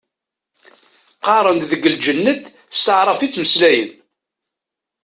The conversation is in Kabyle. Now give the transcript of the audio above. Qqaren-d deg lǧennet s taɛrabt i ttmeslayen.